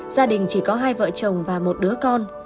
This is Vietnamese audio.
gia đình chỉ có hai vợ chồng và một đứa con